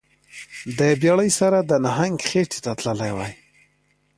د بیړۍ سره د نهنګ خیټې ته تللی وای